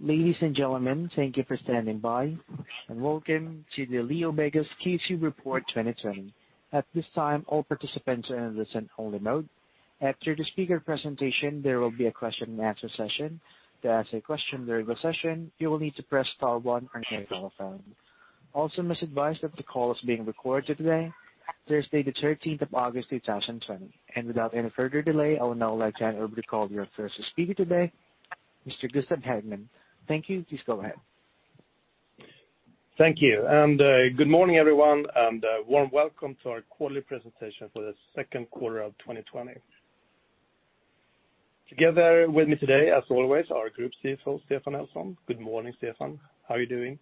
Ladies and gentlemen, thank you for standing by, welcome to the LeoVegas Q2 Report 2020. At this time, all participants are in listen only mode. After the speaker presentation, there will be a question and answer session. To ask a question during the session, you will need to press star 1 on your telephone. Also, I must advise that the call is being recorded today, Thursday, the 13th of August, 2020. Without any further delay, I will now let Jan Urban call your first speaker today, Mr. Gustaf Hagman. Thank you. Please go ahead. Thank you. Good morning, everyone, and warm welcome to our quarterly presentation for the second quarter of 2020. Together with me today, as always, our Group CFO, Stefan Nelson. Good morning, Stefan. How are you doing?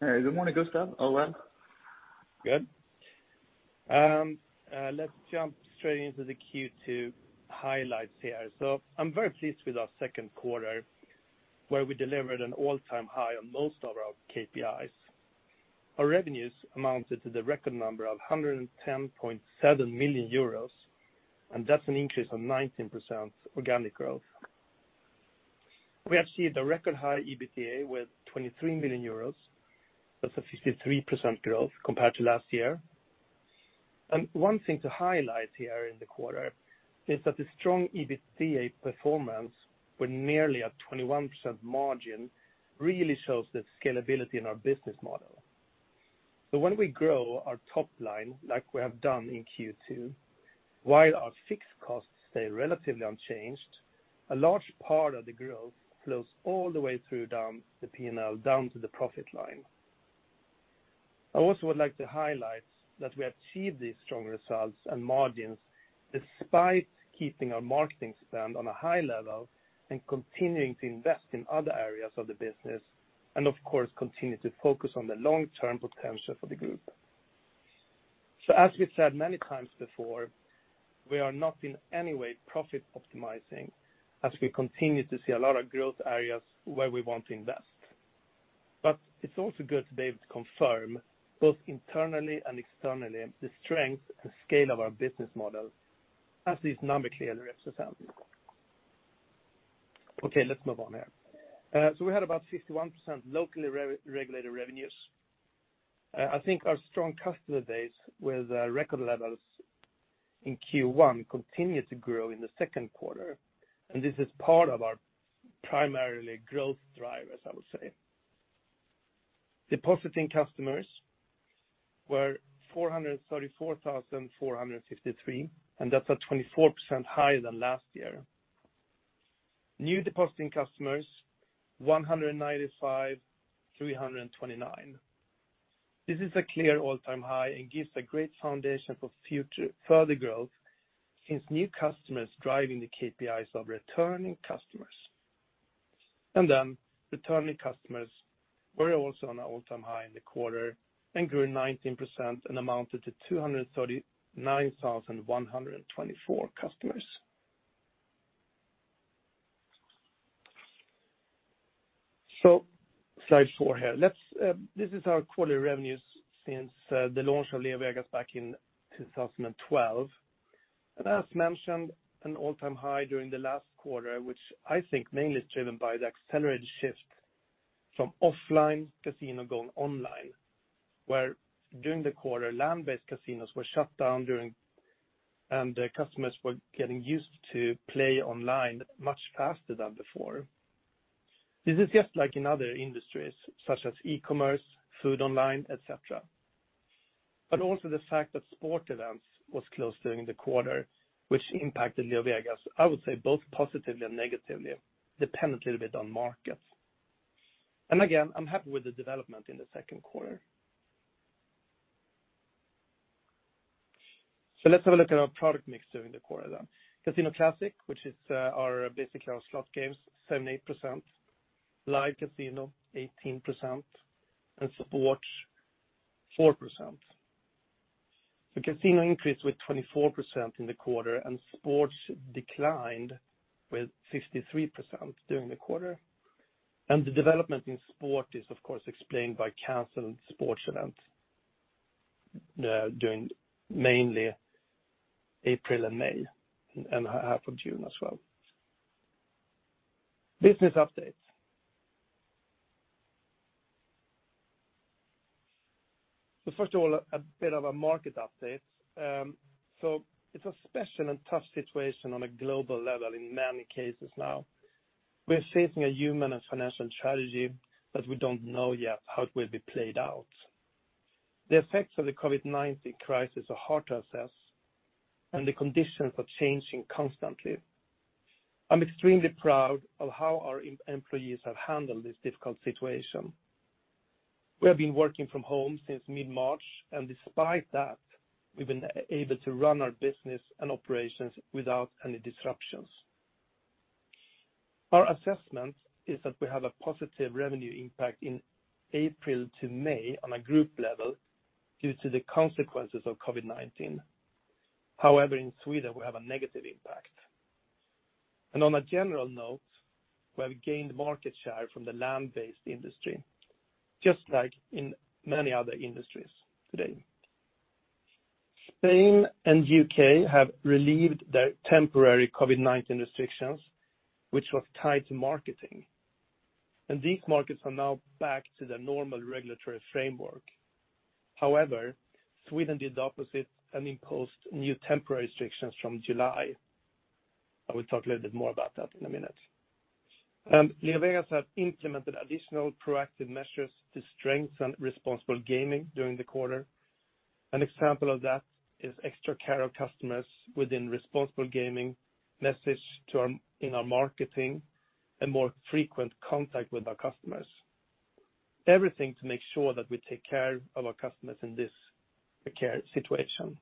Good morning, Gustaf. All well. Good. Let's jump straight into the Q2 highlights here. I'm very pleased with our second quarter, where we delivered an all-time high on most of our KPIs. Our revenues amounted to the record number of 110.7 million euros, and that's an increase of 19% organic growth. We have seen the record high EBITDA with 23 million euros. That's a 53% growth compared to last year. One thing to highlight here in the quarter is that the strong EBITDA performance, with nearly a 21% margin, really shows the scalability in our business model. When we grow our top line, like we have done in Q2, while our fixed costs stay relatively unchanged, a large part of the growth flows all the way through down the P&L, down to the profit line. I also would like to highlight that we achieved these strong results and margins despite keeping our marketing spend on a high level and continuing to invest in other areas of the business, and of course, continue to focus on the long-term potential for the group. As we've said many times before, we are not in any way profit optimizing as we continue to see a lot of growth areas where we want to invest. It's also good today to confirm, both internally and externally, the strength and scale of our business model as these numbers clearly represent. Okay, let's move on here. We had about 51% locally regulated revenues. I think our strong customer base with record levels in Q1 continued to grow in the second quarter, and this is part of our primarily growth drivers, I would say. Depositing customers were 434,453, that's at 24% higher than last year. New depositing customers, 195,329. This is a clear all-time high and gives a great foundation for further growth since new customers driving the KPIs of returning customers. Then returning customers were also on an all-time high in the quarter and grew 19% and amounted to 239,124 customers. Slide four here. This is our quarterly revenues since the launch of LeoVegas back in 2012. As mentioned, an all-time high during the last quarter, which I think mainly is driven by the accelerated shift from offline casino going online, where during the quarter, land-based casinos were shut down, and the customers were getting used to play online much faster than before. This is just like in other industries, such as e-commerce, food online, et cetera. Also the fact that Sports events was closed during the quarter, which impacted LeoVegas, I would say, both positively and negatively, dependent a little bit on markets. Again, I'm happy with the development in the second quarter. Let's have a look at our product mix during the quarter then. Casino Classic, which is basically our slot games, 78%, Live Casino, 18%, and Sports, 4%. The Casino increased with 24% in the quarter and Sports declined with 53% during the quarter. The development in Sport is, of course, explained by canceled Sports events during mainly April and May, and half of June as well. Business updates. First of all, a bit of a market update. It's a special and tough situation on a global level in many cases now. We are facing a human and financial tragedy that we don't know yet how it will be played out. The effects of the COVID-19 crisis are hard to assess, and the conditions are changing constantly. I'm extremely proud of how our employees have handled this difficult situation. We have been working from home since mid-March, and despite that, we've been able to run our business and operations without any disruptions. Our assessment is that we have a positive revenue impact in April to May on a group level due to the consequences of COVID-19. In Sweden, we have a negative impact. On a general note, we have gained market share from the land-based industry, just like in many other industries today. Spain and U.K. have relieved their temporary COVID-19 restrictions, which was tied to marketing. These markets are now back to their normal regulatory framework. Sweden did the opposite and imposed new temporary restrictions from July. I will talk a little bit more about that in a minute. LeoVegas have implemented additional proactive measures to strengthen responsible gaming during the quarter. An example of that is extra care of customers within responsible gaming, message in our marketing, and more frequent contact with our customers. Everything to make sure that we take care of our customers in this care situation.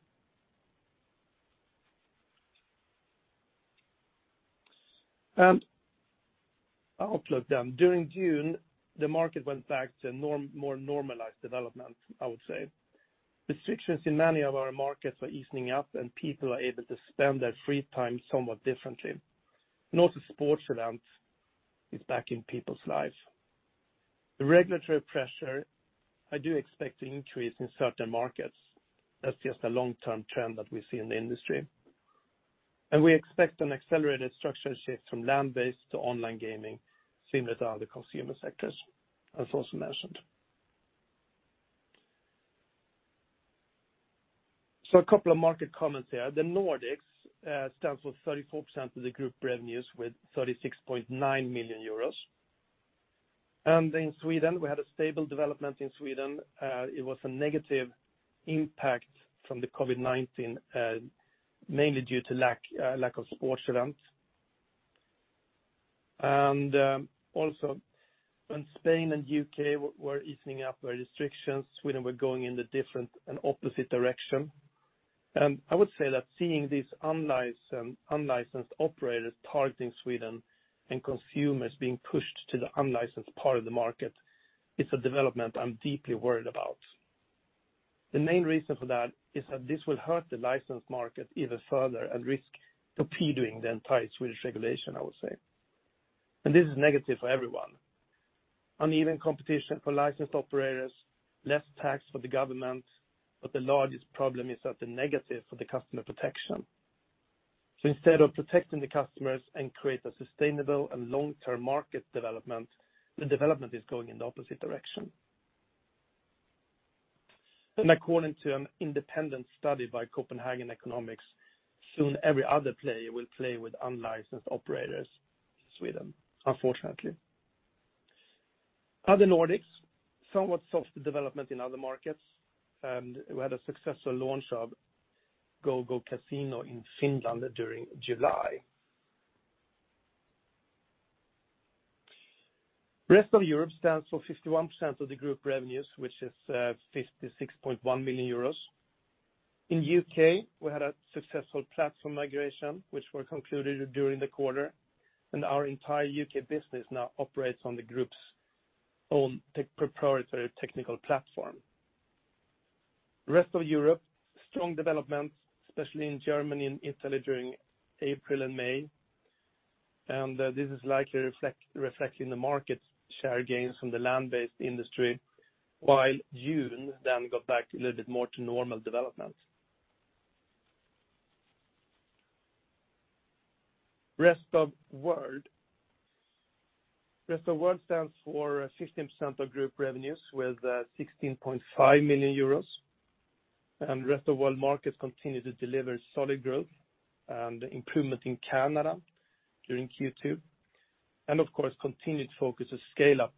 Outlook. During June, the market went back to more normalized development, I would say. Restrictions in many of our markets were easing up, and people are able to spend their free time somewhat differently. Also sports events is back in people's lives. The regulatory pressure, I do expect to increase in certain markets. That's just a long-term trend that we see in the industry. We expect an accelerated structural shift from land-based to online gaming, same with other consumer sectors, as also mentioned. A couple of market comments there. The Nordics stands for 34% of the group revenues with 36.9 million euros. In Sweden, we had a stable development in Sweden. It was a negative impact from the COVID-19, mainly due to lack of sports events. Also when Spain and U.K. were easing up their restrictions, Sweden were going in the different and opposite direction. I would say that seeing these unlicensed operators targeting Sweden and consumers being pushed to the unlicensed part of the market, it's a development I'm deeply worried about. The main reason for that is that this will hurt the licensed market even further and risk torpedoing the entire Swedish regulation, I would say. This is negative for everyone. Uneven competition for licensed operators, less tax for the government, the largest problem is the negative for customer protection. Instead of protecting the customers and creating a sustainable and long-term market development, the development is going in the opposite direction. According to an independent study by Copenhagen Economics, soon every other player will play with unlicensed operators in Sweden, unfortunately. Other Nordics, somewhat soft development in other markets, we had a successful launch of GoGoCasino in Finland during July. Rest of Europe stands for 51% of the group revenues, which is 56.1 million euros. In the U.K., we had a successful platform migration which was concluded during the quarter, our entire U.K. business now operates on the group's own proprietary technical platform. Rest of Europe, strong development, especially in Germany and Italy during April and May. This is likely reflecting the market share gains from the land-based industry, while June got back a little bit more to normal development. Rest of world. Rest of world stands for 15% of group revenues with 16.5 million euros. Rest of world markets continue to deliver solid growth, and improvement in Canada during Q2. Of course, continued focus to scale up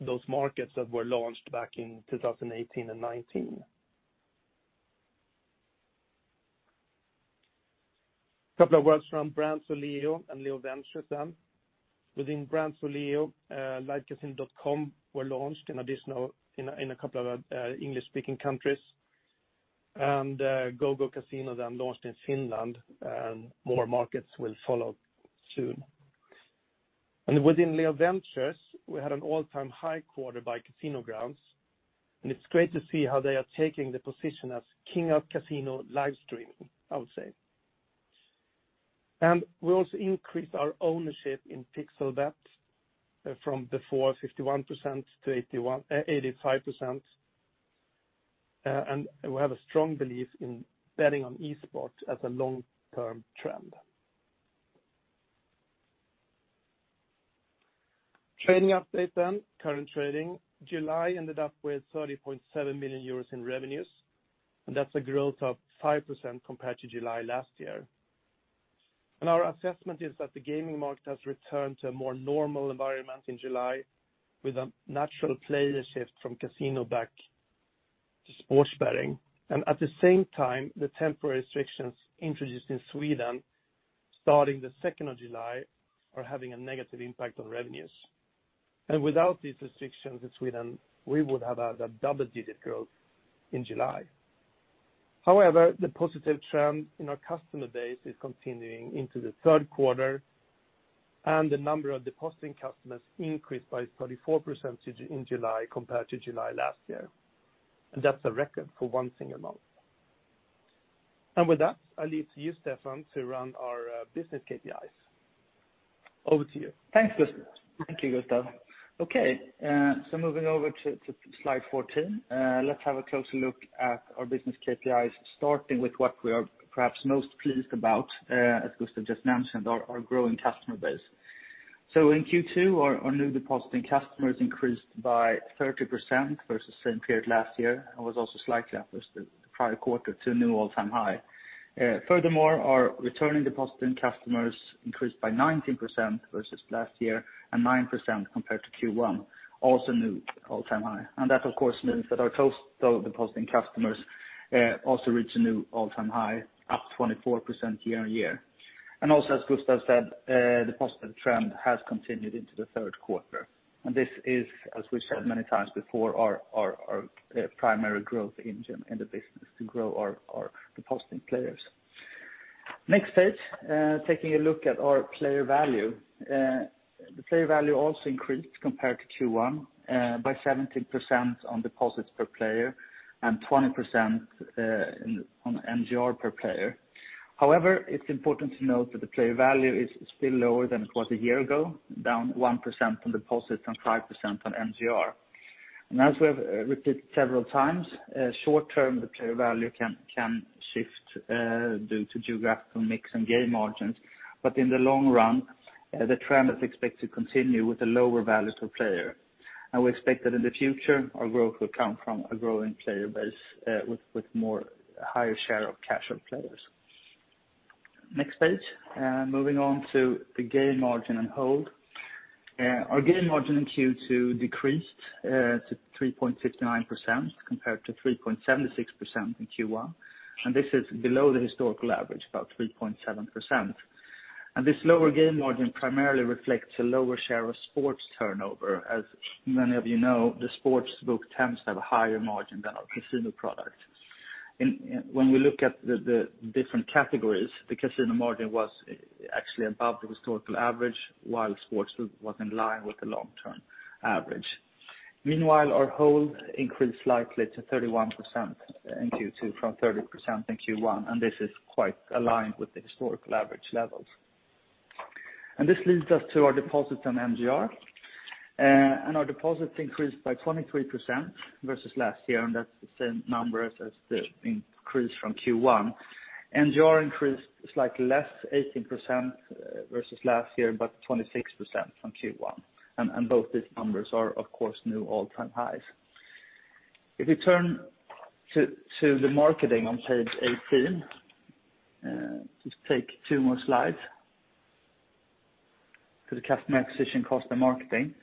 those markets that were launched back in 2018 and 2019. Couple of words from Brand, Soleo, and LeoVegas. Within Brand, Soleo, LiveCasino.com were launched in a couple of English-speaking countries. GoGoCasino launched in Finland, more markets will follow soon. Within LeoVentures, we had an all-time high quarter by CasinoGrounds, it's great to see how they are taking the position as king of casino live streaming, I would say. We also increased our ownership in Pixel.bet from before 51%-85%. We have a strong belief in betting on esports as a long-term trend. Trading update. Current trading. July ended up with 30.7 million euros in revenues, and that's a growth of 5% compared to July last year. Our assessment is that the gaming market has returned to a more normal environment in July with a natural player shift from casino back to sports betting. At the same time, the temporary restrictions introduced in Sweden starting the 2nd of July are having a negative impact on revenues. Without these restrictions in Sweden, we would have had a double-digit growth in July. However, the positive trend in our customer base is continuing into the third quarter, and the number of depositing customers increased by 34% in July compared to July last year. That's a record for one single month. With that, I leave to you, Stefan, to run our business KPIs. Over to you. Thanks, Gustaf. Thank you, Gustaf. Moving over to slide 14. Let's have a closer look at our business KPIs, starting with what we are perhaps most pleased about, as Gustaf just mentioned, our growing customer base. In Q2, our new depositing customers increased by 30% versus same period last year, and was also slightly up versus the prior quarter to a new all-time high. Furthermore, our returning depositing customers increased by 19% versus last year, and 9% compared to Q1. Also new all-time high. That of course, means that our total depositing customers also reached a new all-time high, up 24% year-on-year. Also, as Gustaf said, the positive trend has continued into the third quarter. This is, as we've said many times before, our primary growth engine in the business, to grow our depositing players. Next page, taking a look at our player value. The player value also increased compared to Q1 by 17% on deposits per player and 20% on NGR per player. It's important to note that the player value is still lower than it was a year ago, down 1% on deposits and 5% on NGR. As we have repeated several times, short-term, the player value can shift due to geographical mix and game margins. In the long run, the trend is expected to continue with a lower value per player. We expect that in the future, our growth will come from a growing player base with more higher share of casual players. Next page. Moving on to the game margin and hold. Our game margin in Q2 decreased to 3.59% compared to 3.76% in Q1, and this is below the historical average, about 3.7%. This lower game margin primarily reflects a lower share of sports turnover. As many of you know, the sports book tends to have a higher margin than our casino product. When we look at the different categories, the casino margin was actually above the historical average, while sports was in line with the long-term average. Meanwhile, our hold increased slightly to 31% in Q2 from 30% in Q1, and this is quite aligned with the historical average levels. This leads us to our deposits on NGR. Our deposits increased by 23% versus last year, and that's the same number as the increase from Q1. NGR increased slightly less, 18% versus last year, but 26% from Q1. Both these numbers are, of course, new all-time highs. If we turn to the marketing on page 18. Just take two more slides to the customer acquisition cost and marketing.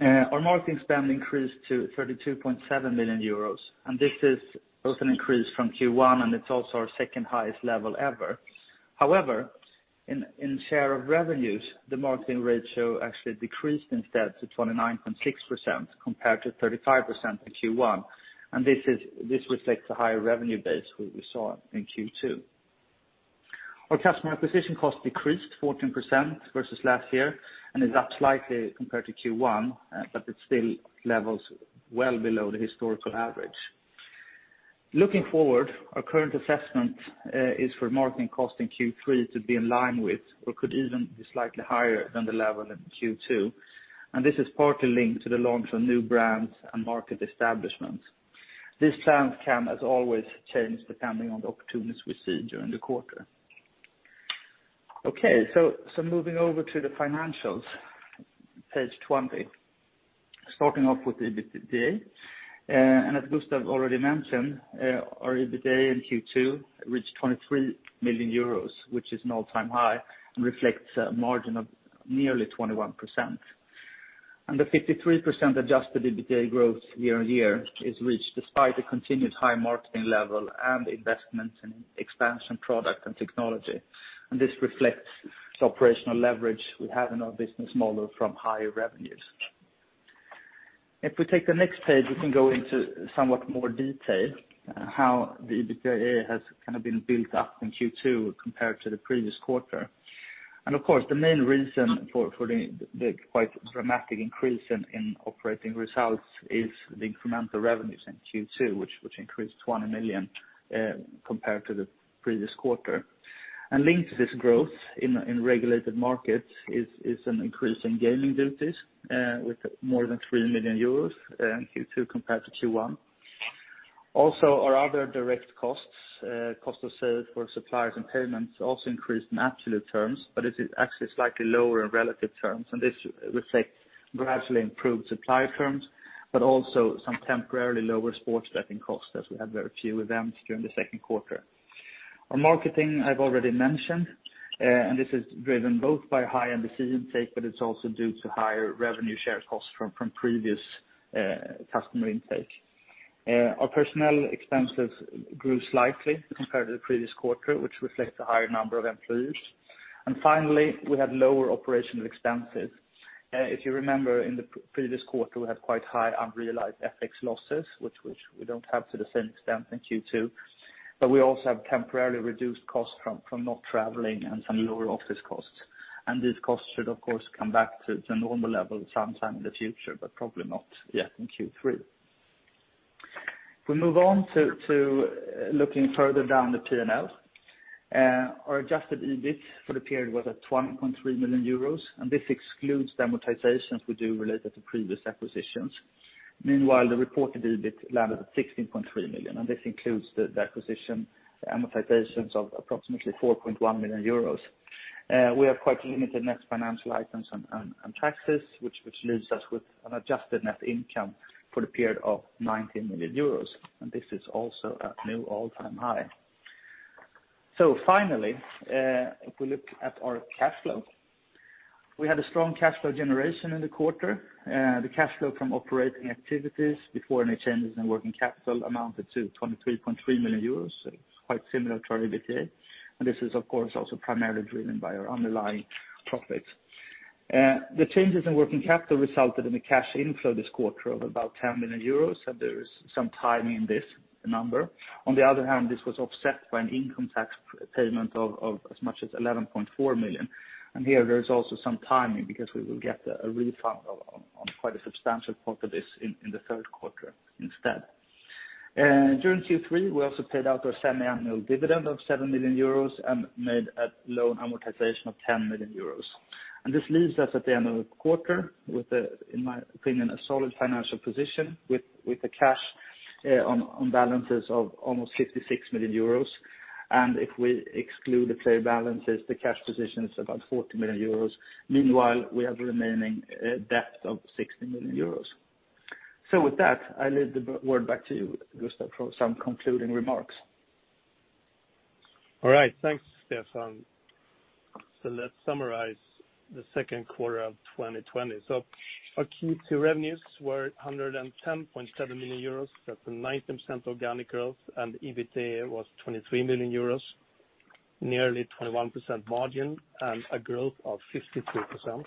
Our marketing spend increased to 32.7 million euros, this is both an increase from Q1 and it's also our second highest level ever. However, in share of revenues, the marketing ratio actually decreased instead to 29.6% compared to 35% in Q1. This reflects the higher revenue base we saw in Q2. Our customer acquisition cost decreased 14% versus last year, and is up slightly compared to Q1, but it's still levels well below the historical average. Looking forward, our current assessment is for marketing cost in Q3 to be in line with, or could even be slightly higher than the level in Q2. This is partly linked to the launch of new brands and market establishments. These plans can, as always, change depending on the opportunities we see during the quarter. Okay, moving over to the financials, page 20. Starting off with the EBITDA. As Gustaf already mentioned, our EBITDA in Q2 reached EUR 23 million, which is an all-time high, and reflects a margin of nearly 21%. The 53% adjusted EBITDA growth year-on-year is reached despite the continued high marketing level and investment in expansion product and technology. This reflects the operational leverage we have in our business model from higher revenues. If we take the next page, we can go into somewhat more detail how the EBITDA has kind of been built up in Q2 compared to the previous quarter. Of course, the main reason for the quite dramatic increase in operating results is the incremental revenues in Q2, which increased 20 million compared to the previous quarter. Linked to this growth in regulated markets is an increase in gaming duties with more than 3 million euros in Q2 compared to Q1. Also, our other direct costs, cost of sales for suppliers and payments also increased in absolute terms, but it is actually slightly lower in relative terms. This reflects gradually improved supply terms, but also some temporarily lower sports betting costs as we had very few events during the second quarter. Our marketing, I've already mentioned, and this is driven both by high end decision take, but it's also due to higher revenue share costs from previous customer intake. Our personnel expenses grew slightly compared to the previous quarter, which reflects the higher number of employees. Finally, we had lower operational expenses. If you remember, in the previous quarter, we had quite high unrealized FX losses, which we don't have to the same extent in Q2. We also have temporarily reduced costs from not traveling and some lower office costs. These costs should of course come back to the normal level sometime in the future, but probably not yet in Q3. We move on to looking further down the P&L. Our adjusted EBIT for the period was at 20.3 million euros, and this excludes the amortizations we do related to previous acquisitions. Meanwhile, the reported EBIT landed at 16.3 million, and this includes the acquisition, the amortizations of approximately 4.1 million euros. We have quite limited net financial items and taxes, which leaves us with an adjusted net income for the period of 19 million euros. This is also a new all-time high. Finally, if we look at our cash flow, we had a strong cash flow generation in the quarter. The cash flow from operating activities before any changes in working capital amounted to 23.3 million euros. It's quite similar to our EBITDA. This is of course, also primarily driven by our underlying profits. The changes in working capital resulted in a cash inflow this quarter of about 10 million euros. There is some timing in this number. On the other hand, this was offset by an income tax payment of as much as 11.4 million. Here there is also some timing because we will get a refund on quite a substantial part of this in the third quarter instead. During Q3, we also paid out our semi-annual dividend of 7 million euros and made a loan amortization of 10 million euros. This leaves us at the end of the quarter with, in my opinion, a solid financial position with the cash on balances of almost 66 million euros. If we exclude the player balances, the cash position is about 40 million euros. Meanwhile, we have remaining debt of 60 million euros. With that, I leave the word back to you, Gustaf, for some concluding remarks. All right. Thanks, Stefan. Let's summarize the second quarter of 2020. Our Q2 revenues were 110.7 million euros. That's a % o19rganic growth, and the EBITDA was 23 million euros, nearly 21% margin, and a growth of 53%.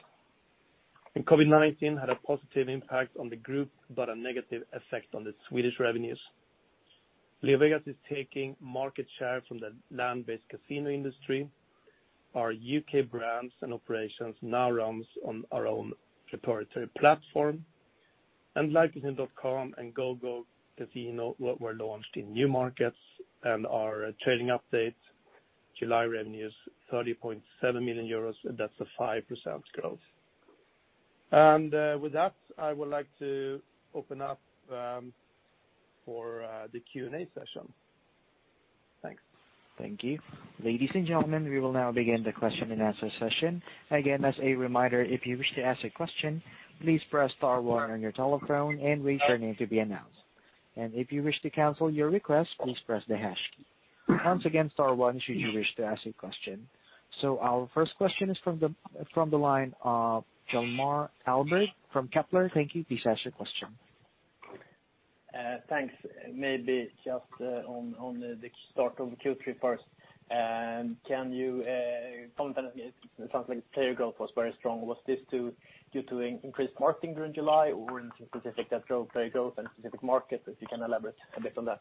COVID-19 had a positive impact on the group, but a negative effect on the Swedish revenues. LeoVegas is taking market share from the land-based casino industry. Our U.K. brands and operations now runs on our own proprietary platform. LiveCasino.com and GoGoCasino were launched in new markets, and our trading update July revenue is 30.7 million euros, and that's a 5% growth. With that, I would like to open up for the Q&A session. Thanks. Thank you. Ladies and gentlemen, we will now begin the question and answer session. Again, as a reminder, if you wish to ask a question, please press star one on your telephone and wait for your name to be announced. If you wish to cancel your request, please press the hash key. Once again, star one should you wish to ask a question. Our first question is from the line of Hjalmar Ahlberg from Kepler. Thank you. Please ask your question. Thanks. Maybe just on the start of Q3 first, can you comment on it? It sounds like player growth was very strong. Was this due to increased marketing during July or anything specific that drove player growth in a specific market, if you can elaborate a bit on that?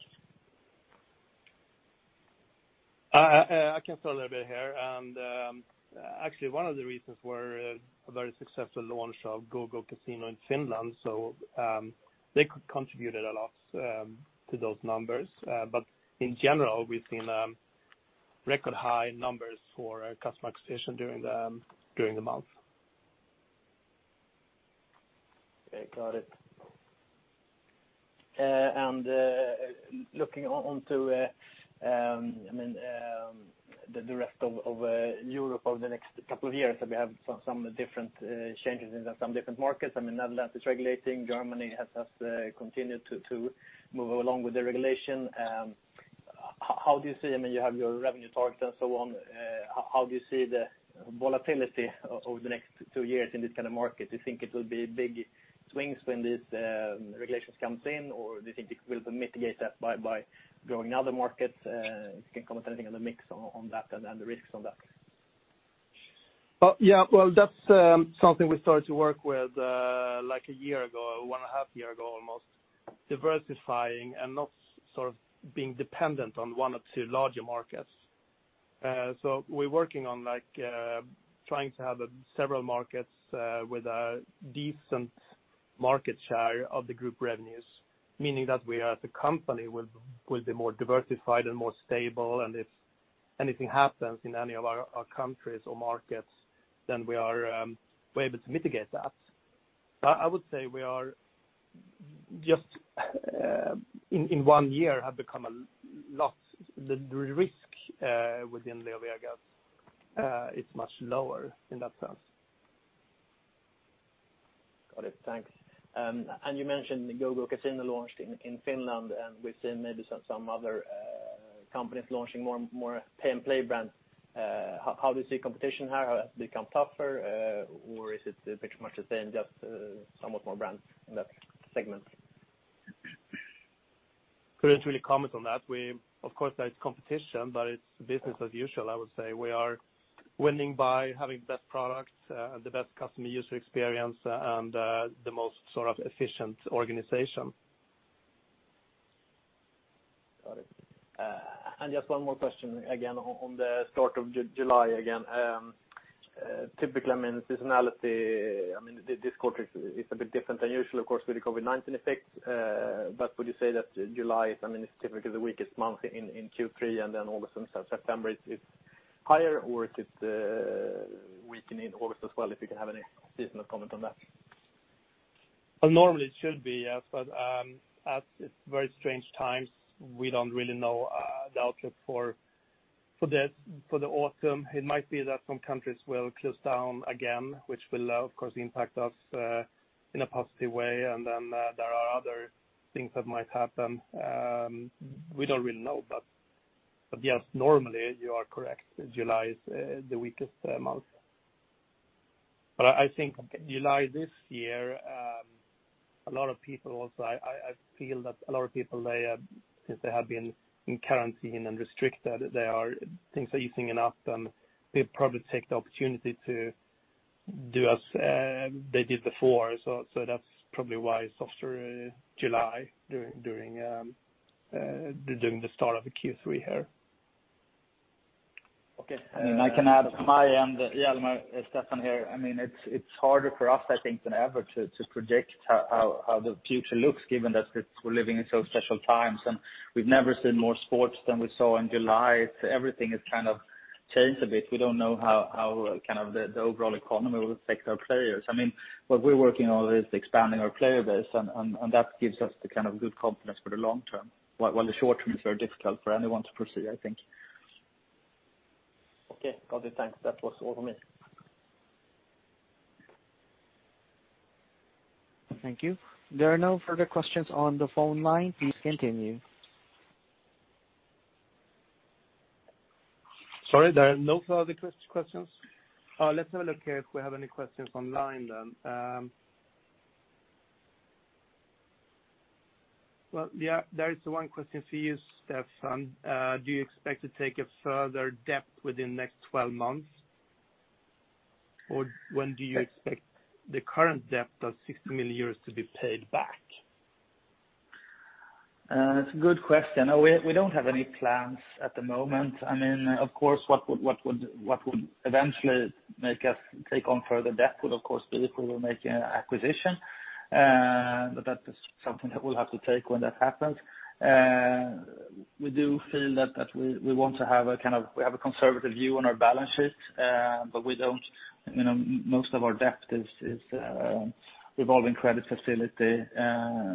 I can start a little bit here. Actually, one of the reasons were a very successful launch of GoGoCasino in Finland. They contributed a lot to those numbers. In general, we've seen record high numbers for customer acquisition during the month. Okay, got it. Looking onto the rest of Europe over the next couple of years, we have some different changes in some different markets. Netherlands is regulating, Germany has continued to move along with the regulation. I mean, you have your revenue targets and so on, how do you see the volatility over the next two years in this kind of market? Do you think it will be big swings when these regulations comes in, or do you think it will mitigate that by growing other markets? If you can comment anything on the mix on that and the risks on that. Yeah. Well, that's something we started to work with a year ago, one and a half year ago, almost. Diversifying and not sort of being dependent on one or two larger markets. We're working on trying to have several markets with a decent market share of the group revenues, meaning that we as a company will be more diversified and more stable. If anything happens in any of our countries or markets, we're able to mitigate that. I would say we are just in one year have become the risk within LeoVegas is much lower in that sense. Got it. Thanks. You mentioned the GoGoCasino launched in Finland, and we've seen maybe some other companies launching more pay and play brands. How do you see competition here? Has it become tougher or is it pretty much the same, just somewhat more brands in that segment? Couldn't really comment on that. Of course, there is competition, but it's business as usual, I would say. We are winning by having best products and the best customer user experience and the most sort of efficient organization. Got it. Just one more question again on the start of July again. Typically, seasonality, this quarter is a bit different than usual, of course, with the COVID-19 effects. Would you say that July is typically the weakest month in Q3, and then all of a sudden, September is higher, or is it weakening August as well? If you can have any seasonal comment on that. Normally it should be, yes. As it's very strange times, we don't really know the outlook for the autumn. It might be that some countries will close down again, which will, of course, impact us in a positive way. There are other things that might happen. We don't really know. Yes, normally you are correct. July is the weakest month. I think July this year, I feel that a lot of people, since they have been in quarantine and restricted, things are easing up, and they probably take the opportunity to do as they did before. That's probably why it's softer July during the start of the Q3 here. Okay. I can add from my end, yeah, Stefan here. It's harder for us, I think, than ever to predict how the future looks, given that we're living in so special times, and we've never seen more sports than we saw in July. Everything has kind of changed a bit. We don't know how the overall economy will affect our players. What we're working on is expanding our player base, and that gives us the kind of good confidence for the long term. While the short term is very difficult for anyone to foresee, I think. Okay. Got it. Thanks. That was all for me. Thank you. There are no further questions on the phone line. Please continue. Sorry, there are no further questions? Let's have a look if we have any questions online then. Well, yeah, there is one question for you, Stefan. Do you expect to take a further debt within next 12 months? Or when do you expect the current debt of 60 million to be paid back? It's a good question. We don't have any plans at the moment. Of course, what would eventually make us take on further debt would of course be if we were making an acquisition. That is something that we'll have to take when that happens. We do feel that we want to have a conservative view on our balance sheet. Most of our debt is revolving credit facility,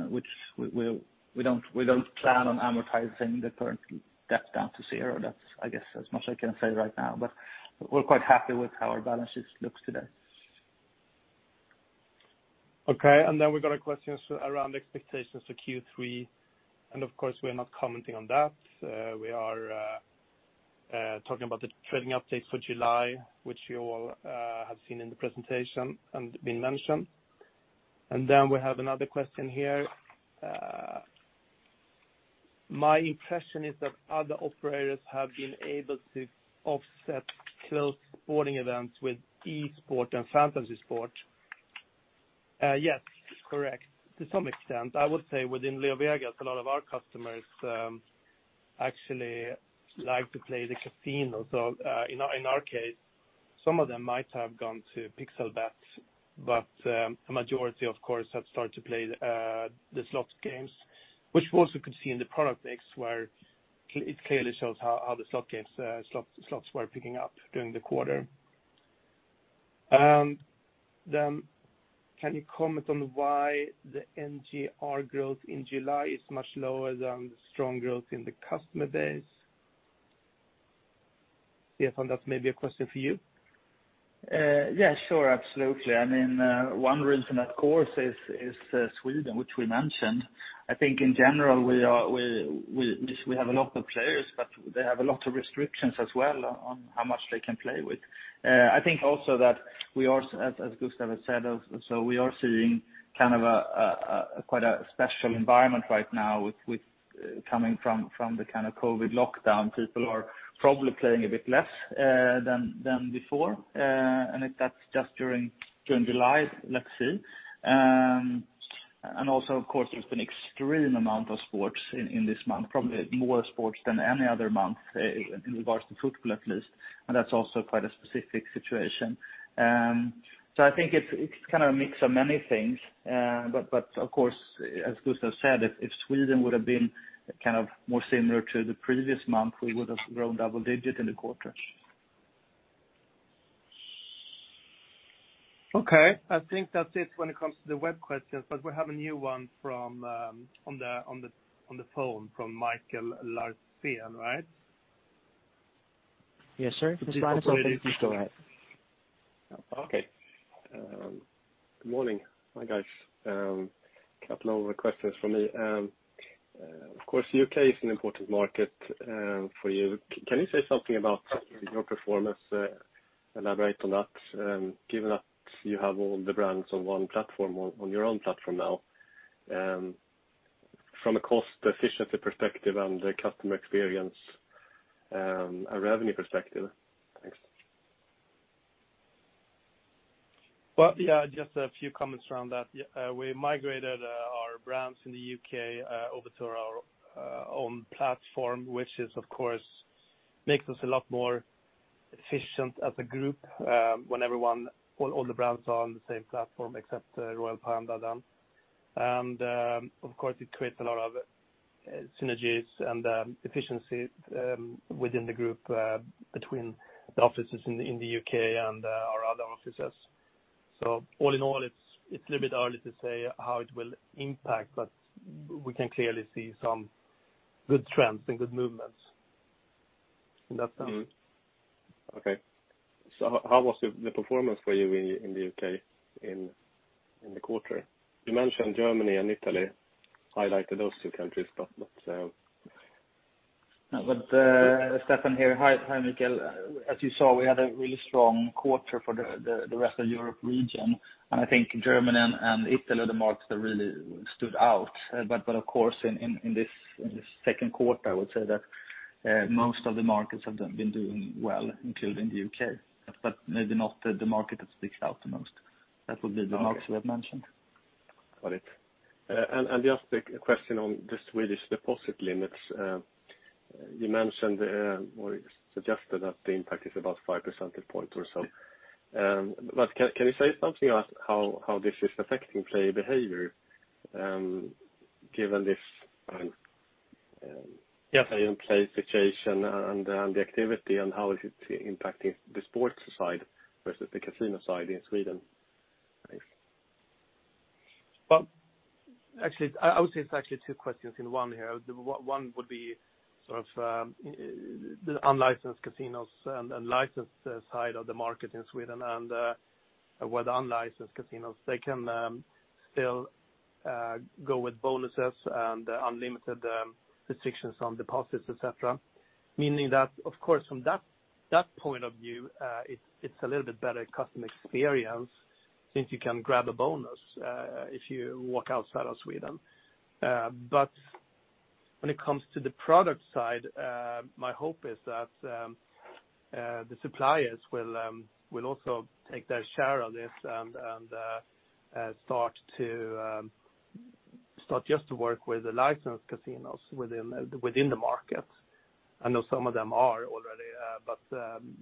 which we don't plan on amortizing the current debt down to zero. That's, I guess, as much I can say right now, but we're quite happy with how our balance sheet looks today. Okay, we got a question around expectations for Q3. Of course, we are not commenting on that. We are talking about the trading update for July, which you all have seen in the presentation and been mentioned. We have another question here. My impression is that other operators have been able to offset 12 sporting events with esports and fantasy sport. Yes, correct. To some extent, I would say within LeoVegas, a lot of our customers actually like to play the casino. In our case, some of them might have gone to Pixel.bet, but a majority of course, have started to play the slot games, which we also could see in the product mix, where it clearly shows how the slot games were picking up during the quarter. Can you comment on why the NGR growth in July is much lower than the strong growth in the customer base? Stefan, that's maybe a question for you. Yeah, sure, absolutely. One reason of course is Sweden, which we mentioned. I think in general, we have a lot of players, but they have a lot of restrictions as well on how much they can play with. I think also that we are, as Gustaf has said also, we are seeing quite a special environment right now coming from the kind of COVID lockdown. People are probably playing a bit less than before. If that's just during July, let's see. Also, of course, there's been extreme amount of sports in this month, probably more sports than any other month in regards to football at least. That's also quite a specific situation. I think it's kind of a mix of many things. Of course, as Gustaf said, if Sweden would have been more similar to the previous month, we would have grown double digit in the quarter. Okay. I think that's it when it comes to the web questions. We have a new one on the phone from Mikkel Larsen, right? Yes, sir. If it's line open, please go ahead. Okay. Good morning. Hi, guys. Couple of questions from me. Of course, U.K. is an important market for you. Can you say something about your performance, elaborate on that? Given that you have all the brands on your own platform now, from a cost efficiency perspective and a customer experience, a revenue perspective. Thanks. Just a few comments around that. We migrated our brands in the U.K. over to our own platform, which of course makes us a lot more efficient as a group when all the brands are on the same platform, except Royal Panda. Of course it creates a lot of synergies and efficiency within the group between the offices in the U.K. and our other offices. All in all, it's a little bit early to say how it will impact, but we can clearly see some good trends and good movements in that sense. How was the performance for you in the U.K. in the quarter? You mentioned Germany and Italy, highlighted those two countries. Stefan here. Hi, Mikkel. As you saw, we had a really strong quarter for the rest of Europe region, and I think Germany and Italy are the markets that really stood out. Of course, in this second quarter, I would say that most of the markets have been doing well, including the U.K., but maybe not the market that sticks out the most. That would be the markets we have mentioned. Got it. Just a question on the Swedish deposit limits. You mentioned or suggested that the impact is about five percentage points or so. Can you say something about how this is affecting player behavior, given this pay and play situation and the activity, and how is it impacting the Sports side versus the Casino side in Sweden? Thanks. Well, actually, I would say it's actually two questions in one here. One would be sort of the unlicensed casinos and licensed side of the market in Sweden, and with unlicensed casinos, they can still go with bonuses and unlimited restrictions on deposits, et cetera. Meaning that, of course, from that point of view, it's a little bit better customer experience since you can grab a bonus if you walk outside of Sweden. When it comes to the product side, my hope is that the suppliers will also take their share of this and start just to work with the licensed casinos within the market. I know some of them are already,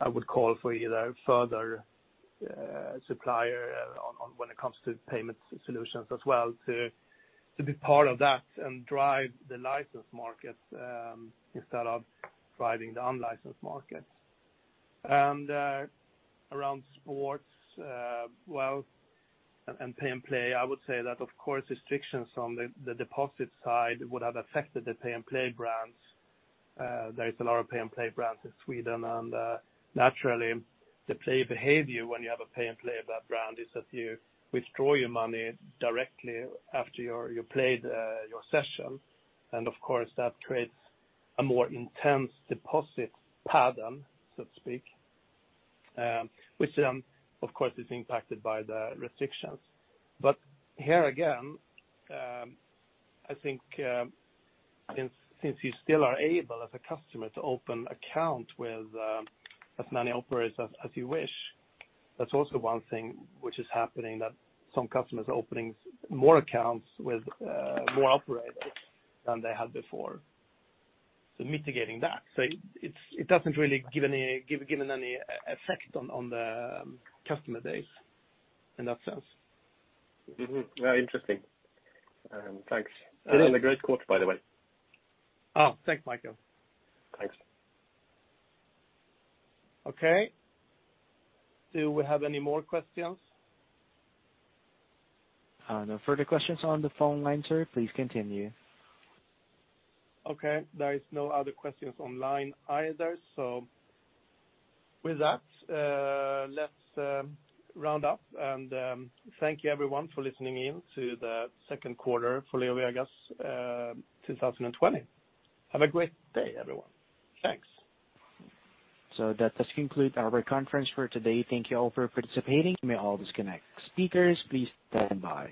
I would call for either further supplier when it comes to payment solutions as well, to be part of that and drive the licensed market instead of driving the unlicensed market. Around sports, well, and pay and play, I would say that, of course, restrictions from the deposit side would have affected the pay and play brands. There is a lot of pay and play brands in Sweden, and naturally, the play behavior when you have a pay and play brand is that you withdraw your money directly after you played your session. Of course, that creates a more intense deposit pattern, so to speak, which of course, is impacted by the restrictions. Here again, I think, since you still are able as a customer to open account with as many operators as you wish, that's also one thing which is happening, that some customers are opening more accounts with more operators than they had before. Mitigating that. It doesn't really given any effect on the customer base in that sense. Very interesting. Thanks. A great quarter, by the way. Oh, thanks, Mikkel. Thanks. Okay. Do we have any more questions? No further questions on the phone line, sir. Please continue. Okay. There is no other questions online either. With that, let's round up and thank you everyone for listening in to the second quarter for LeoVegas 2020. Have a great day, everyone. Thanks. That does conclude our conference for today. Thank you all for participating. You may all disconnect. Speakers, please stand by.